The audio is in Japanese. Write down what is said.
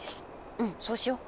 うんそうしよう。